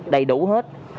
đầy đủ hết